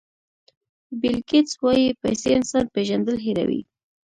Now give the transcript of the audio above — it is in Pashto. بیل ګېټس وایي پیسې انسان پېژندل هیروي.